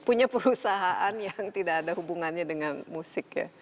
punya perusahaan yang tidak ada hubungannya dengan musik ya